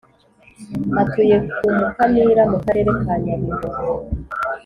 atuye ku mukamira mu karere ka nyabihu